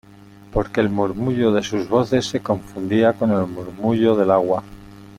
porque el murmullo de sus voces se confundía con el murmullo del agua.